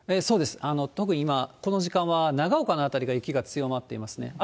そうです、特に今、この時間は長岡の辺りが雪が強まっていますね。